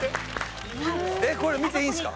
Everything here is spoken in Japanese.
えっこれ見ていいんですか？